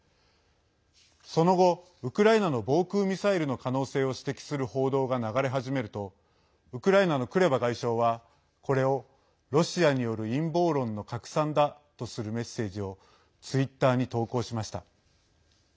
その後、ウクライナの防空ミサイルの可能性を指摘する報道が流れ始めるとウクライナのクレバ外相はこれを、ロシアによる陰謀論の拡散だとするメッセージをツイッターに投稿しました。